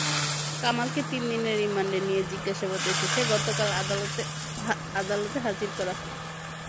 কামালকে তিন দিনের রিমান্ডে নিয়ে জিজ্ঞাসাবাদ শেষে গতকাল আদালতে হাজির করা হয়।